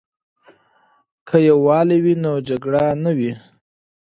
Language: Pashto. که یووالی وي نو جګړه نه وي.